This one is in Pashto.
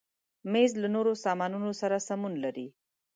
مېز له نورو سامانونو سره سمون لري.